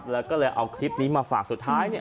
แล้วก็เลยเอาคลิปนี้มาฝากสุดท้ายเนี่ย